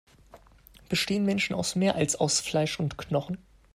Bestehen Menschen aus mehr, als aus Fleisch und Knochen?